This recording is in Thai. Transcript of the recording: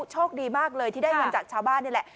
โชคดีมากเลยที่ได้เงินจากชาวบ้านนี่แหละ